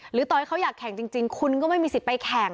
ต่อให้เขาอยากแข่งจริงคุณก็ไม่มีสิทธิ์ไปแข่ง